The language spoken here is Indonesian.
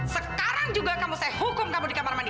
sekarang juga kamu saya hukum kamu di kamar mandi